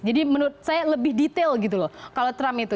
jadi menurut saya lebih detail gitu loh kalau trump itu